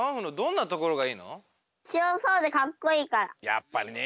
やっぱりね。